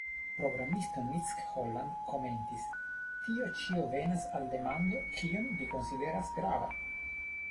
Programisto Nick Holland komentis: "Tio ĉio venas al demando kion vi konsideras grava.".